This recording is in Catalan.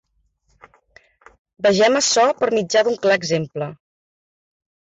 Vegem açò per mitjà d'un clar exemple.